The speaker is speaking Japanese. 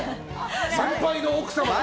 先輩の奥様に。